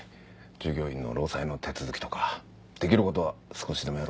従業員の労災の手続きとかできることは少しでもやろうかと。